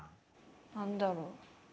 何だろう？